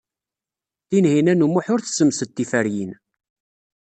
Tinhinan u Muḥ ur tessemsed tiferyin.